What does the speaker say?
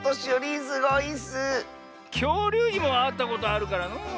きょうりゅうにもあったことあるからのう。